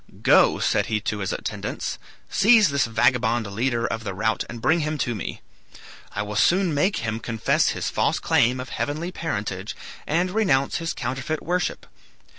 "Go," said he to his attendants, "seize this vagabond leader of the rout and bring him to me. I will soon make him confess his false claim of heavenly parentage and renounce his counterfeit worship."